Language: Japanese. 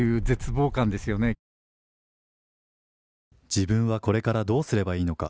自分はこれからどうすればいいのか。